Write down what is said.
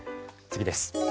次です。